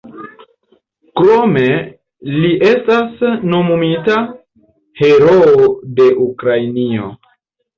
Krome li estas nomumita "Heroo de Ukrainio".